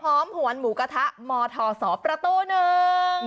พร้อมหวานหมูกระทะมอทห่อสอบประโต๊ะหนึ่ง